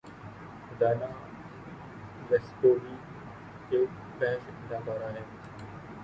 دانا وسپولی ایک فحش اداکارہ ہے